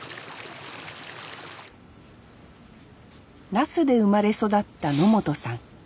那須で生まれ育った野本さん。